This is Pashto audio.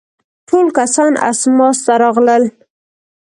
ټول کسان اسماس ته راغلل.